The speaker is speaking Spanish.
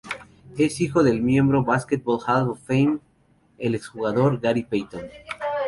Es hijo del miembro del Basketball Hall of Fame, el exjugador Gary Payton.